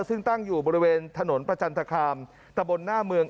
ซึ่งตั้งอยู่บริเวณถนนประจันทคามตะบนหน้าเมือง